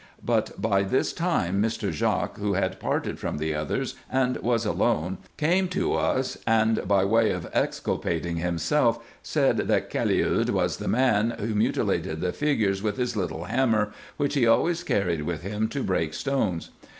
Eut by this time Mr. Jaques, who had parted from the others and was alone, came to us, and, by way of exculpating himself, said that Caliud was the man, who mutilated the figures with his little hammer, which he always carried with liim to break stones.